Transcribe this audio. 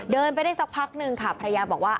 เดินไปได้สักพักนึงค่ะภรรยาบอกว่า